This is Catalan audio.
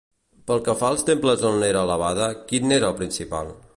Pel que fa als temples on era alabada, quin n'era el principal?